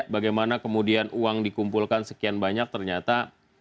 bagaimana kemudian uang dikumpulkan sekian banyak ternyata